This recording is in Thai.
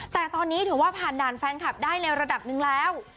แต่ตอนนี้ถือว่าผ่านด่านแฟนคลับได้ในระดับหนึ่งแล้ว